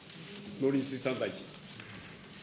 農林水産大臣。